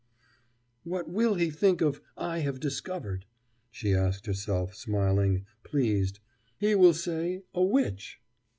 "What will he think of 'I have discovered'?" she asked herself, smiling, pleased; "he will say 'a witch'!"